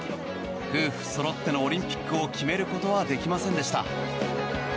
夫婦そろってのオリンピックを決めることはできませんでした。